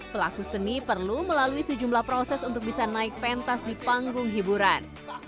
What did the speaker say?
pelaku seni perlu melalui sejumlah proses untuk bisa naik pentas di panggung hiburan